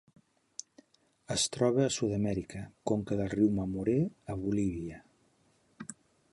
Es troba a Sud-amèrica: conca del riu Mamoré a Bolívia.